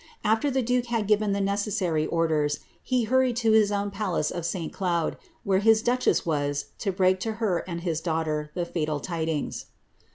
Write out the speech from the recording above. After the duke had given the necessary orders, he hurried to his own palace of St Qoud, where his duchess was, to break to her and his daughter the &til tidings.'"